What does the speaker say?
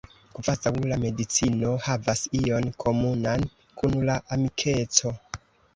Kvazau la medicino havas ion komunan kun la amikeco.